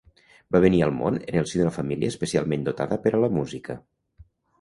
Va venir al món en el si d'una família especialment dotada per a la música.